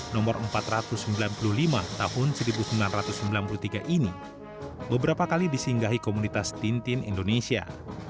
nomor empat ratus sembilan puluh lima tahun seribu sembilan ratus sembilan puluh tiga ini beberapa kali disinggahi komunitas tintin indonesia